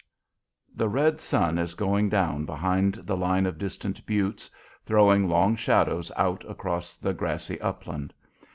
The red sun is going down behind the line of distant buttes, throwing long shadows out across the grassy upland.